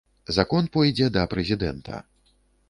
Закон пойдзе да прэзідэнта.